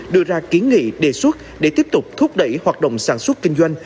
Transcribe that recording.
đưa ra kiến nghị đề xuất để tiếp tục thúc đẩy hoạt động sản xuất kinh doanh